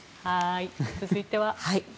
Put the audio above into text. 続いては。